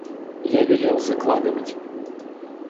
Я велел закладывать.